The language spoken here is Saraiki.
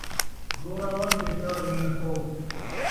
زوراور دے چار ویہاں سو